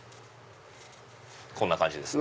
こんな感じですね。